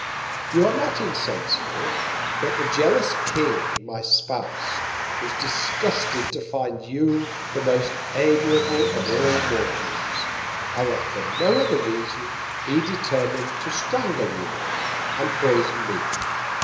You are not insensible, that the jealous King my Spouse, was disgusted to find you the most amiable of all Mortals, and that for no other Reason he determin'd to strangle you, and poison me.